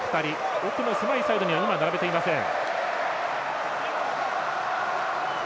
奥の狭いところには並べていません。